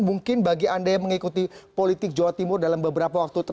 mungkin bagi anda yang mengikuti politik jawa timur dalam beberapa waktu terakhir